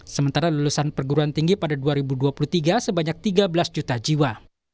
sementara lulusan perguruan tinggi pada dua ribu dua puluh tiga sebanyak tiga belas juta jiwa